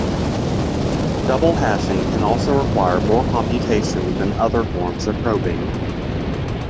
Double hashing can also require more computation than other forms of probing.